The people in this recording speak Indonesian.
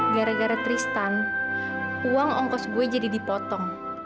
gara gara tristan uang ongkos gue jadi dipotong